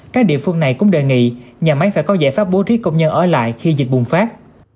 các địa phương này cũng đề nghị nhà máy phải có giải pháp bố trí công nhân ở lại khi dịch bùng phát